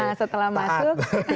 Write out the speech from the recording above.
nah setelah masuk